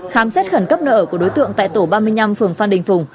khám xét khẩn cấp nợ của đối tượng tại tổ ba mươi năm phường phan đình phùng